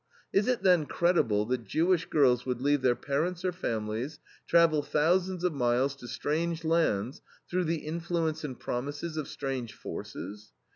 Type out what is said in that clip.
Is it then credible that Jewish girls would leave their parents or families, travel thousands of miles to strange lands, through the influence and promises of strange forces?